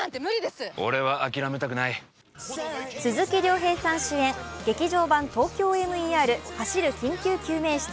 鈴木亮平さん主演、「劇場版ＴＯＫＹＯＭＥＲ走る緊急救命室」。